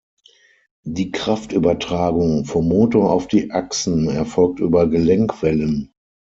Die Kraftübertragung vom Motor auf die Achsen erfolgt über Gelenkwellen.